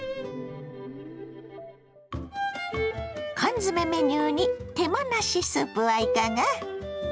缶詰メニューに手間なしスープはいかが。